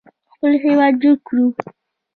خپل هیواد جوړ کړو.